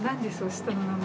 下の名前。